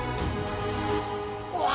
うわ！